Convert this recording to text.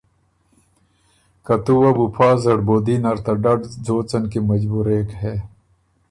که تُو وه بُو پا زړبودي نر ته ډډ ځوڅن کی مجبورېک هې۔